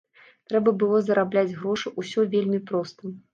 Трэба было зарабляць грошы, усё вельмі проста.